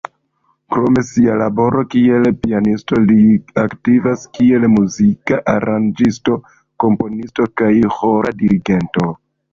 Krom sia laboro kiel pianisto li aktivas kiel muzika aranĝisto, komponisto kaj ĥora dirigento.